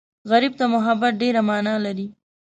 غریب ته محبت ډېره مانا لري